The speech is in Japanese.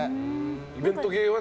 イベント系は？